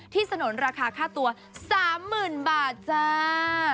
สนุนราคาค่าตัว๓๐๐๐บาทจ้า